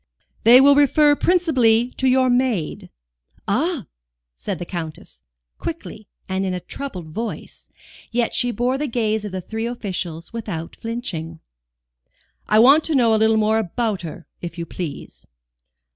"They will refer principally to your maid." "Ah!" said the Countess, quickly and in a troubled voice, yet she bore the gaze of the three officials without flinching. "I want to know a little more about her, if you please."